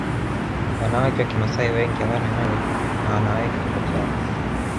Wanawake wa Kimasai wengi hawana nywele na wanaweka kichwa chao